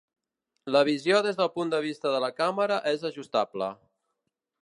La visió des del punt de vista de la càmera és ajustable.